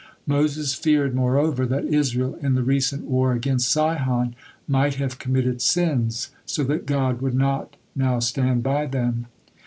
Moses feared, moreover, that Israel in the recent war against Sihon might have committed sins, so that God would not now stand by them.